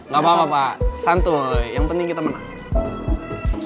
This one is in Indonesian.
gak apa apa pak santo yang penting kita menang